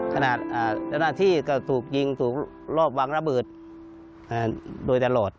ขณะเจ้าหน้าที่ก็ถูกยิงถูกรอบวางระเบิดโดยตลอด